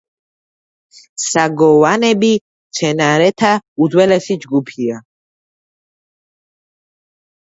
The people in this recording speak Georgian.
საგოვანები მცენარეთა უძველესი ჯგუფია.